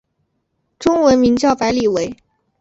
中文名叫白理惟。